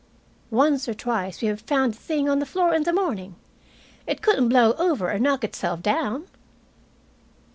"Once or twice we have found the thing on the floor in the morning. It couldn't blow over or knock itself down."